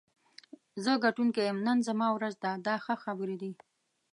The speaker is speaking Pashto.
زه ګټونکی یم، نن زما ورځ ده دا ښه خبرې دي.